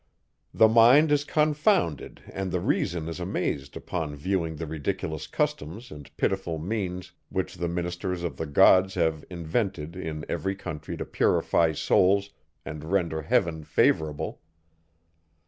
The mind is confounded and the reason is amazed upon viewing the ridiculous customs and pitiful means, which the ministers of the gods have invented in every country to purify souls, and render heaven favourable.